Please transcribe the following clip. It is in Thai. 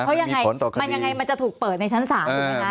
เพราะยังไงมันจะถูกเปิดในชั้น๓ถูกไหมคะ